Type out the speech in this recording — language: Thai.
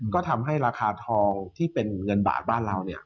ก็ทำให้ราคาทองที่เป็นเงินบาทบ้านเรา